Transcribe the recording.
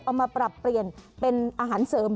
เอามาปรับเปลี่ยนเป็นอาหารเสริม